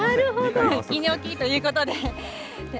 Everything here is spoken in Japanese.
にょきにょきということで。